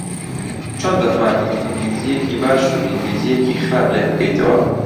چۆن دەتوانیت ئینگلیزییەکی باش و ئینگلیزییەکی خراپ لێک بکەیتەوە؟